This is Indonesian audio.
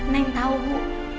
neneng tau bu